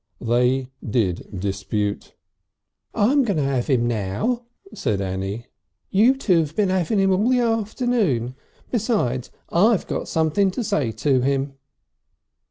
They did dispute. "I'm going to 'ave 'im now," said Annie. "You two've been 'aving 'im all the afternoon. Besides, I've got something to say to him."